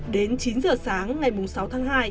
đến chín giờ sáng ngày sáu tháng hai